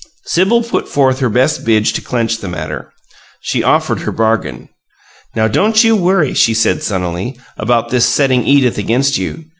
Sibyl put forth her best bid to clench the matter. She offered her bargain. "Now don't you worry," she said, sunnily, "about this setting Edith against you.